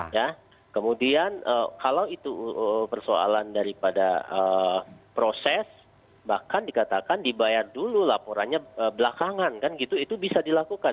ya kemudian kalau itu persoalan daripada proses bahkan dikatakan dibayar dulu laporannya belakangan kan gitu itu bisa dilakukan